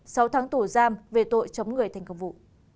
sau tháng tủ giam về tội chống người thành công vụ